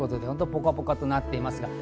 ポカポカとなっています。